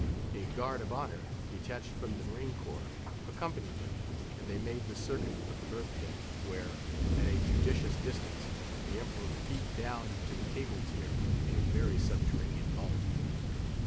A guard of honour, detached from the marine corps, accompanied them, and they made the circuit of the berth deck, where, at a judicious distance, the Emperor peeped down into the cable tier, a very subterranean vault.